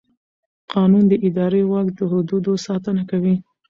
قانون د اداري واک د حدودو ساتنه کوي.